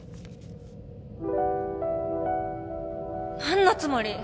何のつもり？